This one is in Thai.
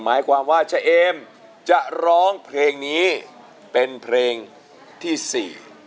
หมายความว่าเชมจะร้องเพลงนี้เป็นเพลงที่สี่